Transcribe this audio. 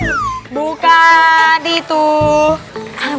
abang saya itu di sini cuma mau nanya